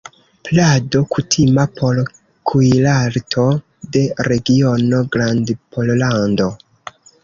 Plado kutima por kuirarto de regiono Grandpollando.